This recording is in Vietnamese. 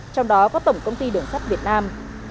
trong đó có tổng công ty đường sắt việt nam